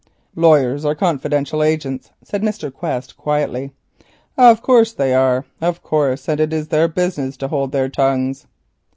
"Lawyers are confidential agents," said Mr. Quest quietly. "Of course they are. Of course, and it is their business to hold their tongues.